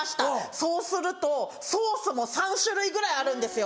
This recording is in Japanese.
そうするとソースも３種類ぐらいあるんですよ。